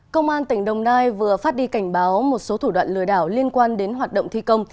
công an tỉnh đồng nai vừa phát đi cảnh báo một số thủ đoạn lừa đảo liên quan đến hoạt động thi công